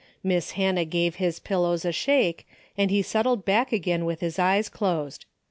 Miss Hannah gave his pillows a shake, and he set tled back again with his eyes closed.